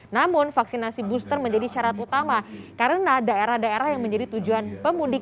namun vaksinasi booster menjadi syarat utama karena daerah daerah yang menjadi tujuan pemudik